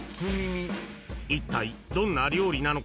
［いったいどんな料理なのか